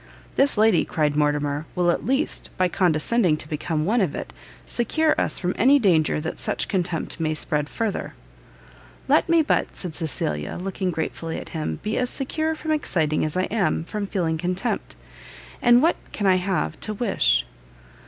"This lady," cried Mortimer, "will at least, by condescending to become one of it, secure us from any danger that such contempt may spread further." "Let me but," said Cecilia, looking gratefully at him, "be as secure from exciting as I am from feeling contempt, and what can I have to wish?"